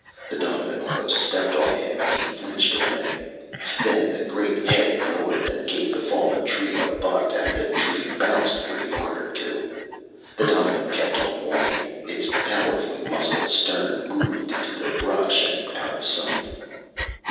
The donovan almost stepped on him and he flinched away. Then the great head lowered and gave the fallen tree a butt and the tree bounced for a yard or two. The donovan kept on walking. Its powerfully muscled stern moved into the brush and out of sight.